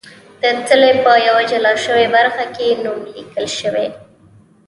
د څلي په یوه جلا شوې برخه کې نوم لیکل شوی.